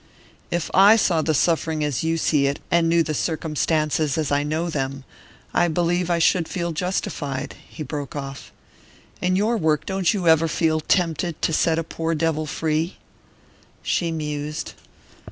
"If I saw the suffering as you see it, and knew the circumstances as I know them, I believe I should feel justified " He broke off. "In your work, don't you ever feel tempted to set a poor devil free?" She mused.